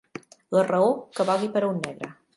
La raó, que valgui per a un negre.